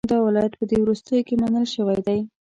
دا ولایت په دې وروستیو کې منل شوی دی.